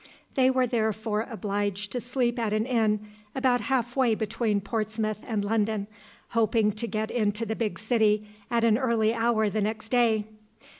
They were therefore obliged to sleep at an inn about half way between Portsmouth and London, hoping to get into the big city at an early hour the next day.